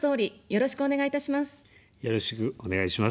よろしくお願いします。